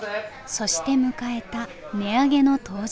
そして迎えた値上げの当日。